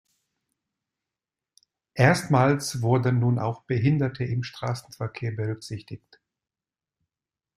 Erstmals wurden nun auch Behinderte im Straßenverkehr berücksichtigt.